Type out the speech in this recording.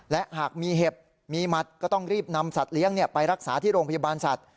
และหากมีเห็บมีหมัดก็ต้องรีบนำสัตว์เลี้ยงไปรักษาที่โรงพยาบาลสัตว์